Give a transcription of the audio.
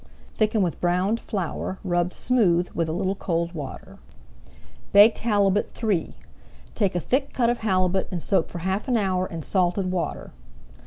Thicken with browned flour rubbed smooth with a little cold water. [Page 174] BAKED HALIBUT III Take a thick cut of halibut and soak for half an hour in salted water.